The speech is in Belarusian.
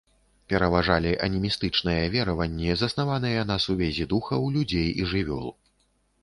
Пераважалі анімістычныя вераванні, заснаваныя на сувязі духаў людзей і жывёл.